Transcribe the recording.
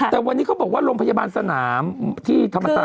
แต่วันนี้เขาบอกว่าโรงพยาบาลสนามที่ธรรมตา